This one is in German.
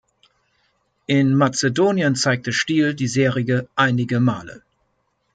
In Mazedonien zeigte Stiel die Serie einige Male.